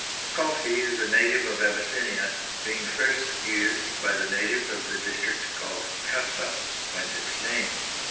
Coffee is a native of Abyssinia, being first used by the natives of the district called Kaffa, whence its name.